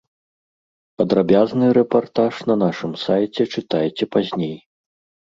Падрабязны рэпартаж на нашым сайце чытайце пазней.